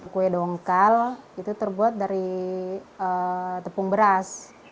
kue dongkal itu terbuat dari tepung beras